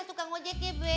suka ojeknya be